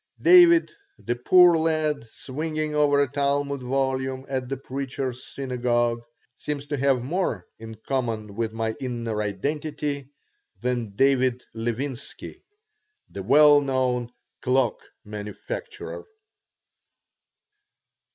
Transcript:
David, the poor lad swinging over a Talmud volume at the Preacher's Synagogue, seems to have more in common with my inner identity than David Levinsky, the well known cloak manufacturer.